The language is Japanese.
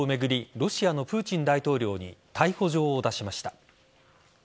ロシアのプーチン大統領に逮捕状を出しました。